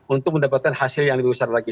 untuk mendapatkan hasil yang lebih besar lagi